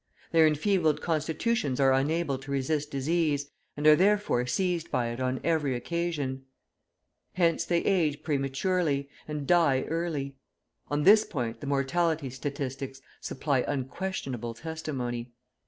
Their enfeebled constitutions are unable to resist disease, and are therefore seized by it on every occasion. Hence they age prematurely, and die early. On this point the mortality statistics supply unquestionable testimony.